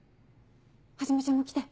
はじめちゃんも来て。